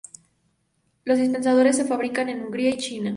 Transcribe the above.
Los dispensadores se fabrican en Hungría y China.